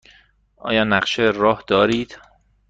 آیا نقشه راه دارید؟